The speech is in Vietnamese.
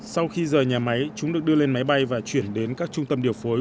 sau khi rời nhà máy chúng được đưa lên máy bay và chuyển đến các trung tâm điều phối